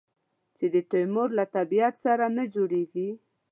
چې د تیمور له طبیعت سره نه جوړېږي.